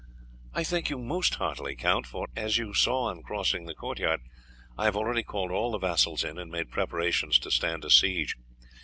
"I thank you most heartily, Count, for, as you saw on crossing the court yard, I have already called all the vassals in and made preparations to stand a siege.